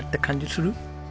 する。